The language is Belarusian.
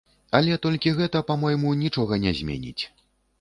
Але толькі гэта, па-мойму, нічога не зменіць.